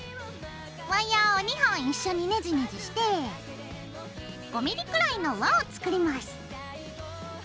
ワイヤーを２本一緒にネジネジして５ｍｍくらいの輪を作ります。